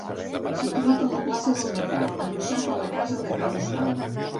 Situat a la plaça del Mercat, adossat a la casa de Ca l'Hostal.